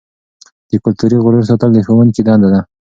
د کلتوري غرور ساتل د ښوونکي دنده ده.